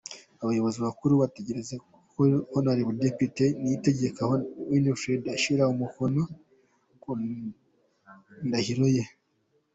Abayobozi bakuru bitegereza uko Hon Depite Niyitegeka Winfred ashyira umukono ku ndahiro ye.